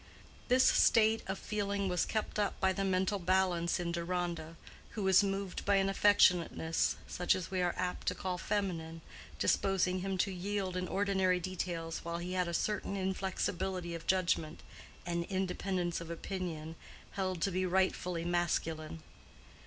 This state of feeling was kept up by the mental balance in Deronda, who was moved by an affectionateness such as we are apt to call feminine, disposing him to yield in ordinary details, while he had a certain inflexibility of judgment, and independence of opinion, held to be rightfully masculine.